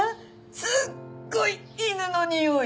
すっごい犬のにおい。